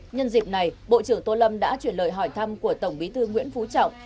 nhân dịp này bộ trưởng tô lâm đã chuyển lời hỏi thăm của tổng bí thư nguyễn phú trọng